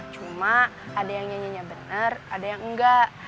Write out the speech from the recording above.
cuma ada yang nyanyinya benar ada yang enggak